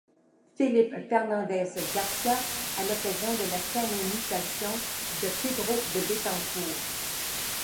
Felipe Fernández García, à l'occasion de la canonisation de Pedro de Betancur.